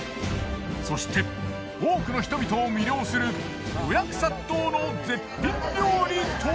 そして多くの人々を魅了する予約殺到の絶品料理とは！？